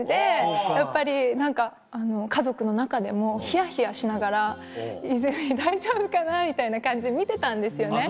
やっぱり何か家族の中でもヒヤヒヤしながら泉大丈夫かな？みたいな感じで見てたんですよね。